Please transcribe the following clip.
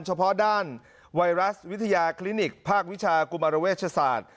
เฉพาะด้านไวรัสวิทยาคลินิกภาควิชากุมารเวชศาสตร์